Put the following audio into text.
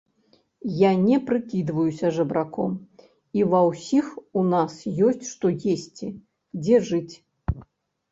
Я не прыкідваюся жабраком, і ва ўсіх у нас ёсць што есці, дзе жыць.